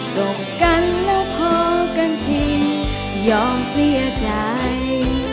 จบกันแล้วพอกันทียอมเสียใจ